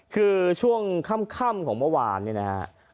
คือช่วงค่ำของเมื่อวานเนี่ยนะฮะ